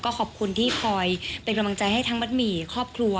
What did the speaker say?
ขอบคุณที่คอยเป็นกำลังใจให้ทั้งมัดหมี่ครอบครัว